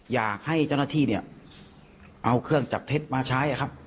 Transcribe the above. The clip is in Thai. อยากให้เจ้าหน้าที่เนี่ยเอาเครื่องจับเท็จมาใช้ครับ